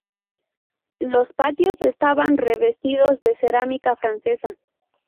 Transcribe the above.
Los patios estaban revestidos de cerámica francesa.